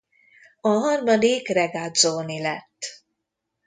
A harmadik Regazzoni lett.